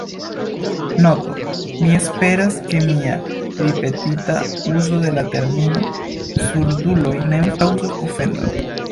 Noto: Mi esperas, ke mia ripetita uzo de la termino surduloj ne kaŭzos ofendon.